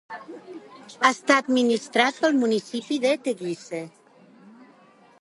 Està administrat pel municipi de Teguise.